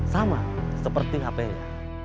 sama seperti hapenya